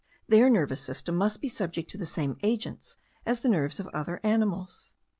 Their nervous system must be subject to the same agents as the nerves of other animals.